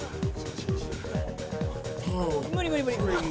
無理無理無理。